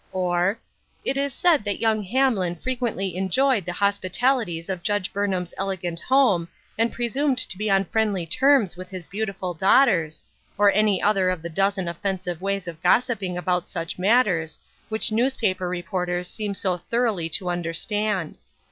or, " It is said that young Hamlin frequently enjoyed the hospitalities of Judge Burnham's elegant home, and presumed to be on friendly terms with his beautiful daughters," or any other of the dozen offensive ways of gossiping about such matters, which newspaper reporters seem so thoroughly to understand.